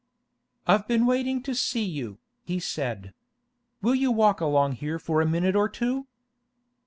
'I've been waiting to see you,' he said. 'Will you walk along here for a minute or two?